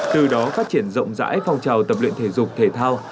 từ đó phát triển rộng rãi phong trào tập luyện thể dục thể thao